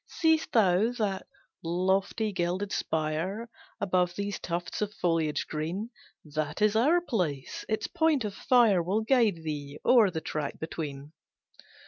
Seest thou that lofty gilded spire Above these tufts of foliage green? That is our place; its point of fire Will guide thee o'er the tract between."